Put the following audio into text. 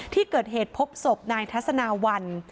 ที่เกิดเหตุพบศพนายทัศนาวัน